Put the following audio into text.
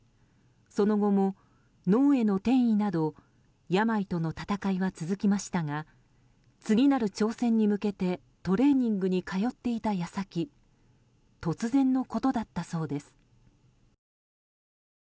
その後も脳への転移など病との闘いは続きましたが次なる挑戦に向けてトレーニングに通っていた矢先突然のことだったそうです。